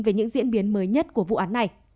về những diễn biến mới nhất của vụ án này